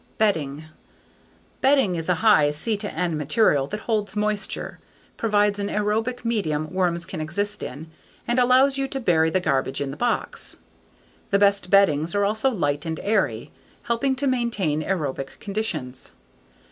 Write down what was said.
Bedding Bedding is a high C/N material that holds moisture, provides an aerobic medium worms can exist in, and allows you to bury the garbage in the box. The best beddings are also light and airy, helping to maintain aerobic conditions.